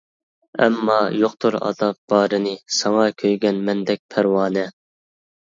ئەمما يوقتۇر ئاتاپ بارىنى، ساڭا كۆيگەن مەندەك پەرۋانە.